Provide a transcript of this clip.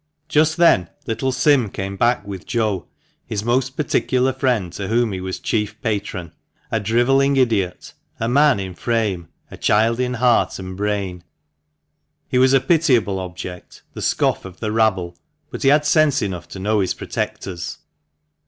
Just then little Sim came back with Joe — his most particular friend, to whom he was chief patron — a drivelling idiot, a man in frame, a child in heart and brain. He was a pitiable object, the scoff of the rabble, but he had sense enough to know his protectors.